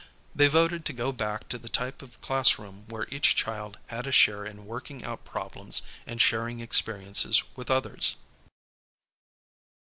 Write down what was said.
'" They voted to go back to the type of classroom where each child had a share in working out problems and sharing experiences with others.